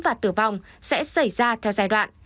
và tử vong sẽ xảy ra theo giai đoạn